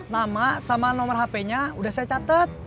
nama sama nomor hp nya udah saya catat